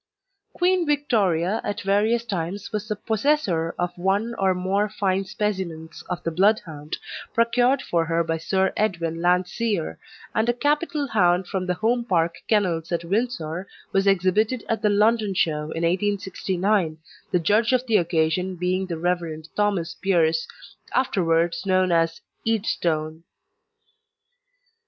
Queen Victoria at various times was the possessor of one or more fine specimens of the Bloodhound, procured for her by Sir Edwin Landseer, and a capital hound from the Home Park Kennels at Windsor was exhibited at the London Show in 1869, the judge on the occasion being the Rev. Thomas Pearce, afterwards known as "Idstone."